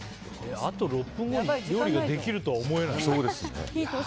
あと６分後に料理ができるとは思えない。